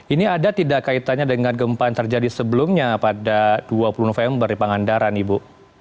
ini ada tidak kaitannya dengan gempa yang terjadi sebelumnya pada dua puluh november di pangandaran ibu